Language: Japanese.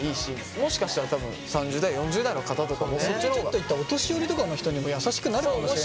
もしかしたら多分３０代４０代の方とかもね。お年寄りとかの人にも優しくなるかもしれないしね。